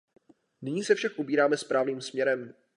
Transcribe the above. Nyní se však ubíráme správným směrem.